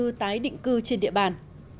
cung cư tái định cư trên địa bàn